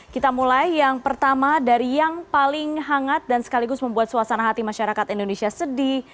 kita mulai yang pertama dari yang paling hangat dan sekaligus membuat suasana hati masyarakat indonesia sedih